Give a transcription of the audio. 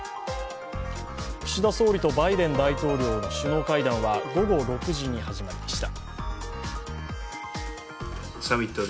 岸田総理とバイデン大統領の首脳会談は午後６時に始まりました。